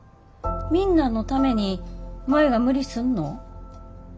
みんなのために舞が無理すんの？